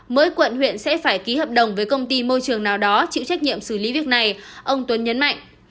mỗi quận huyện sẽ phải ký hợp đồng với công ty môi trường nào đó chịu trách nhiệm xử lý việc này ông tuấn nhấn mạnh